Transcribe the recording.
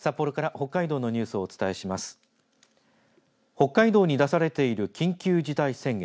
北海道に出されている緊急事態宣言。